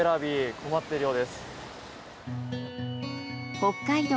困っているようです。